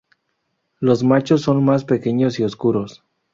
Los machos son más pequeños y oscuros.